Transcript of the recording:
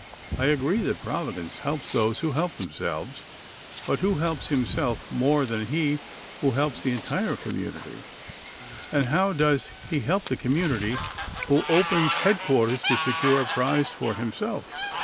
I agree that providence helps those who help themselves, but who helps himself more than he who helps the entire community? And how does he help the community who opens headquarters to secure a prize for himself?